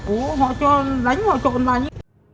ủa họ cho đánh họ trộn lành